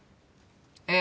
ええ。